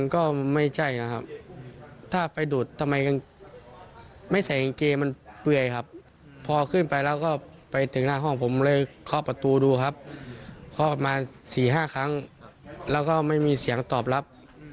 ๔๕ครั้งแล้วก็ไม่มีเสียงตอบรับ